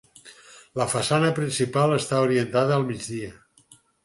La façana principal està orientada al migdia.